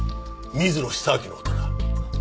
水野久明の事だ。